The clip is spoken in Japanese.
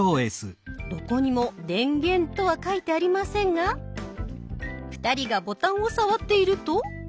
どこにも「電源」とは書いてありませんが２人がボタンを触っていると。